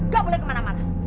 gak boleh kemana mana